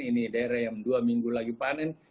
ini daerah yang dua minggu lagi panen